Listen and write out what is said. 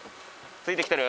ついて来てる？